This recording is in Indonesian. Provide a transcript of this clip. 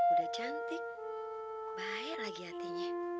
udah cantik baik lagi hatinya